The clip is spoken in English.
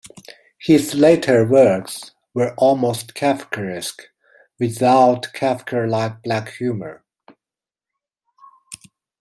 His later works were almost Kafkaesque, without Kafka-like black humour.